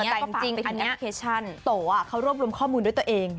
แต่ก็จริงอันนี้โตเขารวบรวมข้อมูลด้วยตัวเอง